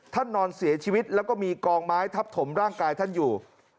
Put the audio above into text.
นอนเสียชีวิตแล้วก็มีกองไม้ทับถมร่างกายท่านอยู่